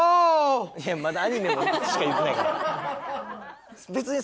いやまだアニメの事しか言うてないから。